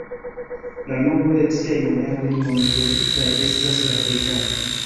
La nombro de tiaj moneroj nun trovitaj estas la plej granda.